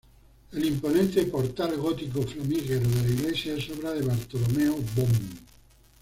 El imponente portal gótico flamígero de la iglesia es obra de Bartolomeo Bon.